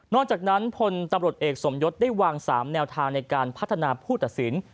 จากนั้นพลตำรวจเอกสมยศได้วาง๓แนวทางในการพัฒนาผู้ตัดสิน